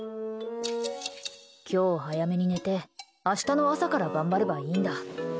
今日、早めに寝て明日の朝から頑張ればいいんだ。